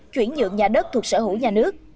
chuyển nhượng nhà đất thuộc sở hữu nhà nước